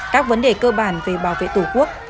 các vấn đề cơ bản về bảo vệ tổ quốc